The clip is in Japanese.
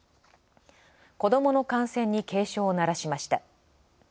子供の感染に警鐘を鳴らしました。